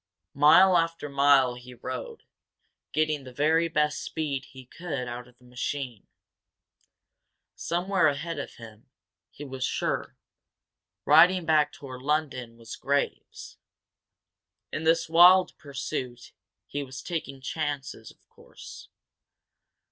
Mile after mile he rode, getting the very best speed he could out of the machine. Somewhere ahead of him, he was sure, riding back toward London, was Graves. In this wild pursuit he was taking chances, of course.